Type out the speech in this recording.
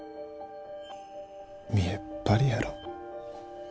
見えっ張りやろ。